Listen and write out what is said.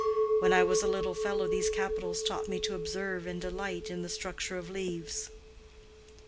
"When I was a little fellow these capitals taught me to observe and delight in the structure of leaves."